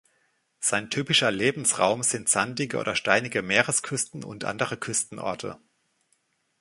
Sein typischer Lebensraum sind sandige oder steinige Meeresküsten und andere Küstenorte.